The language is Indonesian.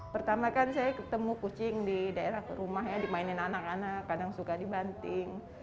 pertama kan saya ketemu kucing di daerah rumah ya dimainin anak anak kadang suka dibanting